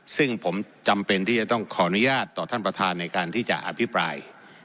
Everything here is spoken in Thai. ซึ่งผมจำเป็นที่จะต้องขออนุญาตต่อท่านประธานในการที่จะอภิปราย